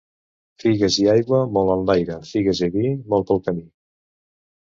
Figues i aigua, molt enlaire; figues i vi, molt pel camí.